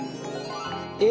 え！